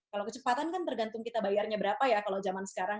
kalau kecepatan kan tergantung kita bayarnya berapa ya kalau zaman sekarang